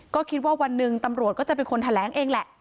ก็คิดว่าวันหนึ่งตำรวจก็จะเป็นคนแถลงเองแหละ